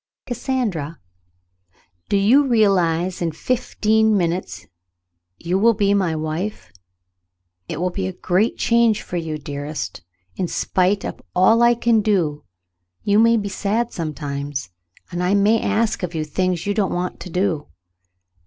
"Cassandra, do you realize that in fifteen minutes you will be my wife ? It will be a great change for you, dearest. In spite of all I can do, you may be sad sometimes, and I may ask of you things you don't want to do."